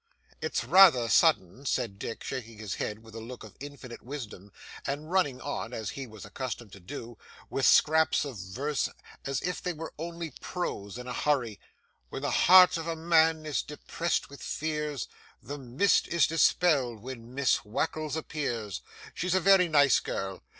'It's rather sudden,' said Dick shaking his head with a look of infinite wisdom, and running on (as he was accustomed to do) with scraps of verse as if they were only prose in a hurry; 'when the heart of a man is depressed with fears, the mist is dispelled when Miss Wackles appears; she's a very nice girl.